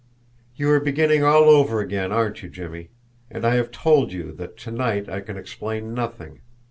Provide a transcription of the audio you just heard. "You are beginning all over again, aren't you, Jimmie? And I have told you that to night I can explain nothing.